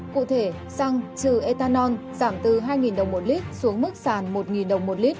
cụ thể xăng trừ etanol giảm từ hai đồng một lít xuống mức sàn một đồng